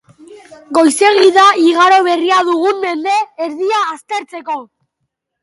Goizegi da igaro berria dugun mende erdia aztertzeko.